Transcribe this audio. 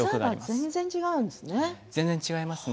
全然違うんですね。